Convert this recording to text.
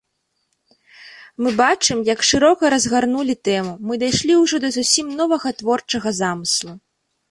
Мы бачым, як шырока разгарнулі тэму, мы дайшлі ўжо да зусім новага творчага замыслу.